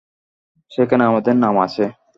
সেখানে আমাদের নাম আছে।